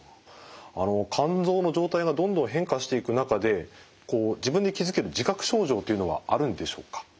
あの肝臓の状態がどんどん変化していく中でこう自分で気付ける自覚症状というのはあるんでしょうか？